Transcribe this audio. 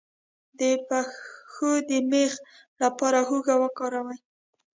د پښو د میخ لپاره هوږه وکاروئ